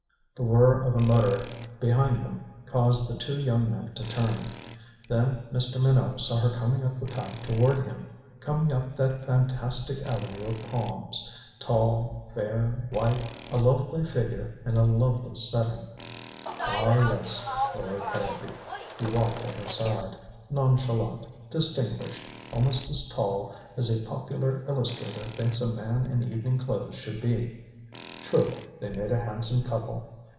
The whir of a motor behind them caused the two young men to turn. Then Mr. Minot saw her coming up the path toward him coming up that fantastic avenue of palms tall, fair, white, a lovely figure in a lovely setting Ah, yes Lord Harrowby! He walked at her side, nonchalant, distinguished, almost as tall as a popular illustrator thinks a man in evening clothes should be. Truly, they made a handsome couple.